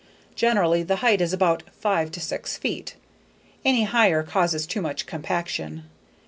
Generally the height is about five to six feet, any higher causes too much compaction.